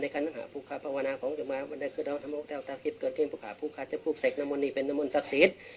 ขณะหาภูเขาภาวนาของจังหมาวันได้ขึ้นแล้วทำโลกแท้วตาคิดเกินที่มีภูเขาภูเขาจะภูกษักดิ์นามนีเป็นนามนศักดิ์สิทธิ์